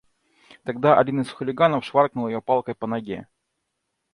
Тогда один из хулиганов шваркнул её палкой по ноге.